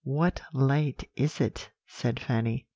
"'What light is it?' said Fanny.